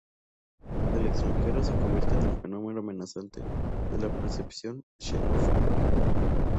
El extranjero se convierte en el elemento amenazante en la percepción xenófoba.